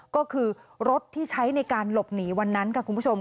ก็คือรถที่ใช้ในการหลบหนีวันนั้นค่ะคุณผู้ชม